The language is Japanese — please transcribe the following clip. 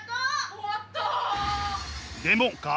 終わったあ！